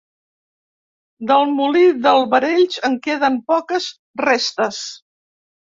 Del molí d'Albarells en queden poques restes.